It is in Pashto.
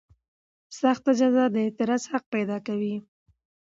سخته جزا د اعتراض حق پیدا کوي.